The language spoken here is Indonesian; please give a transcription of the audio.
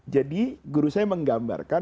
jadi guru saya menggambarkan